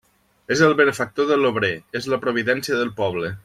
És el benefactor de l'obrer; és la providència del poble.